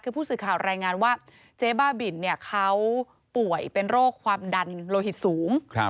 คือผู้สื่อข่าวรายงานว่าเจ๊บ้าบินเขาป่วยเป็นโรคความดันโลหิตสูง